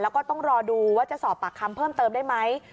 แล้วก็ต้องรอดูว่าจะสอบปากคำเพิ่มเติมได้ไหม